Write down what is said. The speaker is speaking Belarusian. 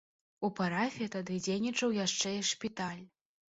У парафіі тады дзейнічаў яшчэ і шпіталь.